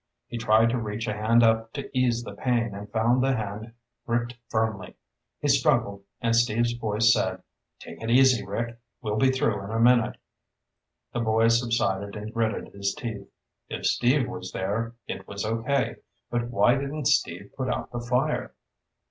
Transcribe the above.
He tried to reach a hand up to ease the pain and found the hand gripped firmly. He struggled, and Steve's voice said, "Take it easy, Rick. We'll be through in a minute." The boy subsided and gritted his teeth. If Steve was there, it was okay. But why didn't Steve put out the fire?